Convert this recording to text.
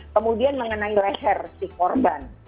kemudian mengenai leher si korban